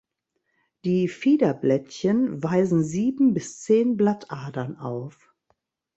Die Fiederblättchen weisen sieben bis zehn Blattadern auf.